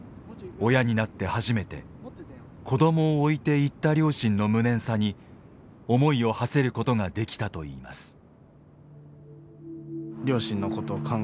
親になって初めて子供を置いていった両親の無念さに思いをはせることができたといいます。